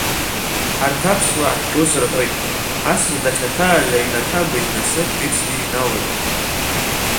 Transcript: Ҳарҭ аԥсуаа ҳҿы ус рҳәоит, асас дахьаҭааз аҩнаҭа быжь-насыԥк ицны иҩналоит…